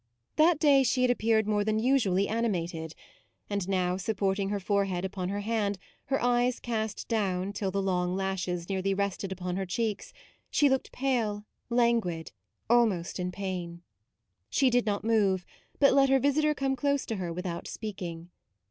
That day she had appeared more than usually animated, and now supporting her forehead upon her hand, her eyes cast down till the long lashes nearly rested upon her cheeks, she looked pale, languid, almost in pain. She did not move, but let her visitor come close to her without speaking.